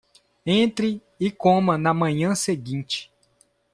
Entre e coma na manhã seguinte